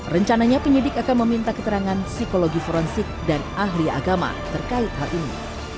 rencananya penyidik akan meminta keterangan psikologi forensik dan ahli agama terkait hal ini